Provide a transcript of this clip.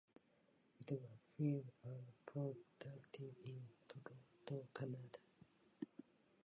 It was filmed and produced in Toronto, Canada.